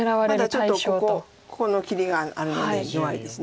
まだちょっとここここの切りがあるので弱いです。